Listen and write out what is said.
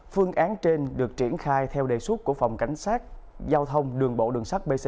phương án trên được triển khai theo đề xuất của phòng cảnh sát giao thông đường bộ đường sát bc